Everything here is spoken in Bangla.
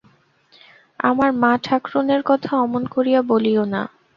আমার মা-ঠাকরুনের কথা অমন করিয়া বলিয়ো না।